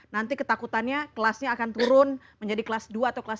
nanti ketakutannya kelasnya akan turun menjadi kelas dua atau kelas tiga